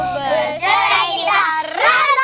berjarah kita rantuh